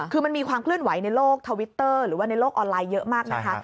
คือมันมีความเคลื่อนไหวในโลกทวิตเตอร์หรือว่าในโลกออนไลน์เยอะมากนะคะ